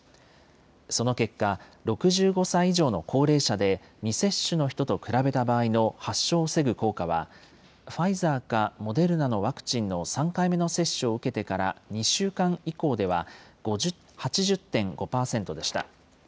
その結果、６５歳以上の高齢者で未接種の人と比べた場合の発症を防ぐ効果は、ファイザーかモデルナのワクチンの３回目の接種を受けてから２週間以降では８０．５％でした。